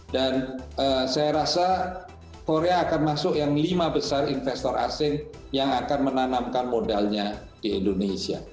dan saya rasa korea akan masuk yang lima besar investor asing yang akan menanamkan modalnya di indonesia